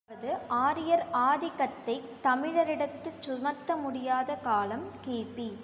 அதாவது ஆரியர் ஆதிக்கத்தைத் தமிழரிடத்துச் சுமத்த முடியாத காலம் கி.பி.